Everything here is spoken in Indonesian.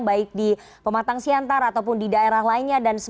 baik di pematang siantar ataupun di daerah lainnya